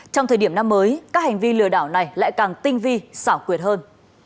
trong thời điểm năm mới các hành vi lừa đảo này lại càng tinh vi xảo quyệt hơn